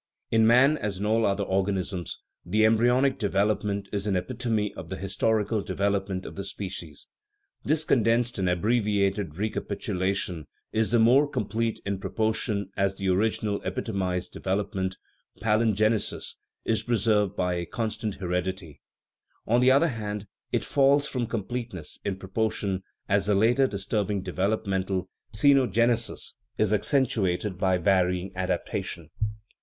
In man, as in all other organisms, " the embryonic development is an epitome of the his torical development of the species. This condensed and abbreviated recapitulation is the more complete in proportion as the original epitomized development (palingenesis) is preserved by a constant heredity; on the other hand, it falls off from completeness in proportion as the later disturbing development (ceno genesis) is accentuated by varying adaptation."